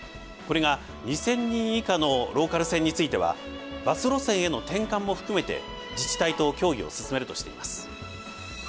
これが２，０００人以下のローカル線についてはバス路線への転換も含めて自治体と協議を進めるとしています。